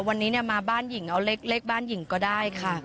วันนี้มาบ้านหญิงเอาเล็กบ้านหญิงก็ได้ค่ะ